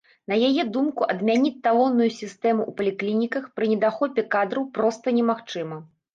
На яе думку, адмяніць талонную сістэму ў паліклініках пры недахопе кадраў проста немагчыма.